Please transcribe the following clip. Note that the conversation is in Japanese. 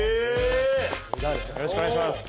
よろしくお願いします